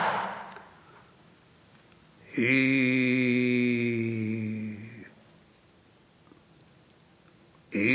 「え。え」。